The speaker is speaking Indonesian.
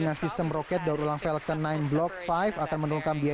yang pertama adalah yang membawa kapal terbang ke orbit parkir